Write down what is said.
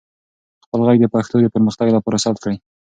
خپل ږغ د پښتو د پرمختګ لپاره ثبت کړئ.